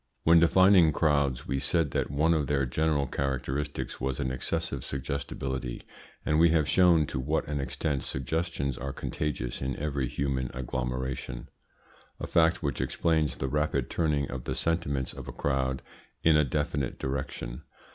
When defining crowds, we said that one of their general characteristics was an excessive suggestibility, and we have shown to what an extent suggestions are contagious in every human agglomeration; a fact which explains the rapid turning of the sentiments of a crowd in a definite direction.